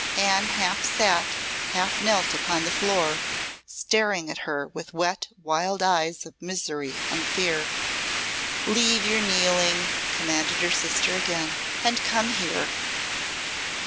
Anne half sat, half knelt upon the floor, staring at her with wet, wild eyes of misery and fear. "Leave your kneeling," commanded her sister again, "and come here."